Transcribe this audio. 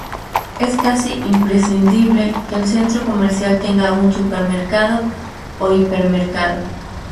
Es casi imprescindible que el centro comercial tenga un supermercado o hipermercado.